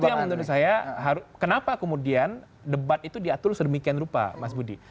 itu yang menurut saya kenapa kemudian debat itu diatur sedemikian rupa mas budi